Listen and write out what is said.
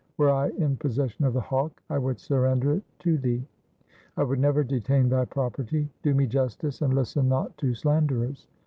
Were I in possession of the hawk, I would surrender it to thee. I would never detain thy property. Do me justice and listen not to slanderers.'